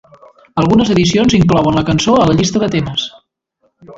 Algunes edicions inclouen la cançó a la llista de temes.